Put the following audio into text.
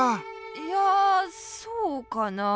いやそうかなあ。